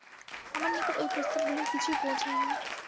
আমার নিকট ঐ প্রস্তাবগুলির কিছুই পৌঁছায়নি।